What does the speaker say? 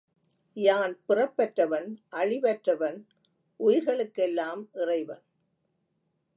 யான் பிறப்பற்றவன், அழிவற்றவன், உயிர்களுக்கெல்லாம் இறைவன்.